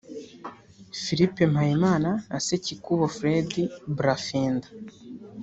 Philippe Mpayimana na Sekikubo Fred Brafinda